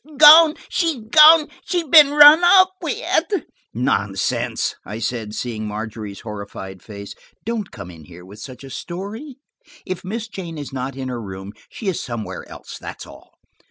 Gone–she's gone! She's been run off with!" "Nonsense!" I said, seeing Margery's horrified face. "Don't come in here with such a story. If Miss Jane is not in her room, she is somewhere else, that's all."